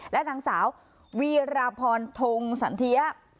และนางสาววีราพรทงสันเทีย